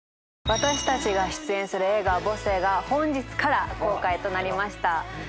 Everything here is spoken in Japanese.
私たちが出演する映画『母性』が本日から公開となりました。